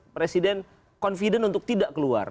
presiden confident untuk tidak keluar